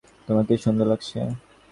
তোমাকে সুন্দর লাগছে।